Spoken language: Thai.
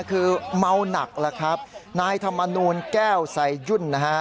คือเมาหนักแล้วครับนายธรรมนูลแก้วไซยุ่นนะฮะ